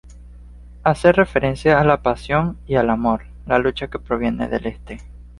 Hace referencia a la pasión y al amor... la lucha que proviene de este.